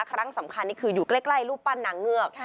ครั้งสำคัญนี่คืออยู่ใกล้รูปปั้นนางเงือก